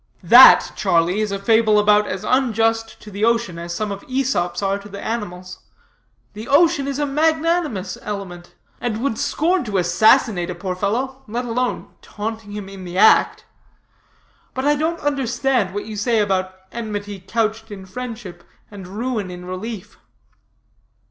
"That, Charlie, is a fable about as unjust to the ocean, as some of Æsop's are to the animals. The ocean is a magnanimous element, and would scorn to assassinate a poor fellow, let alone taunting him in the act. But I don't understand what you say about enmity couched in friendship, and ruin in relief."